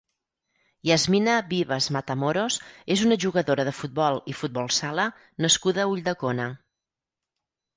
Yasmina Vives Matamoros és una jugadora de futbol i futbol sala nascuda a Ulldecona.